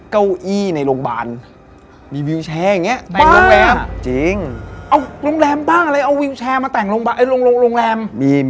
ครั้งแรกที่ผมไปครับพี่